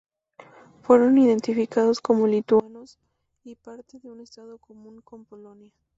Fueron identificados como lituanos y parte de un estado común con Polonia.